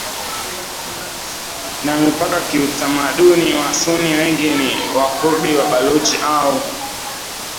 na mipaka kiutamaduni Wasunni wengi ni Wakurdi Wabaluchi au